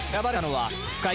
はい。